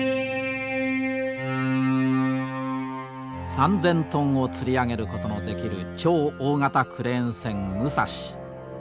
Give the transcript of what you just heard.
３，０００トンをつり上げることのできる超大型クレーン船武蔵。